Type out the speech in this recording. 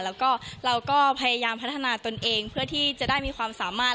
แล้วก็เราก็พยายามพัฒนาตนเองเพื่อที่จะได้มีความสามารถ